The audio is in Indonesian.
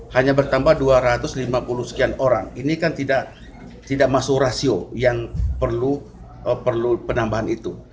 hanya bertambah dua ratus lima puluh sekian orang ini kan tidak masuk rasio yang perlu penambahan itu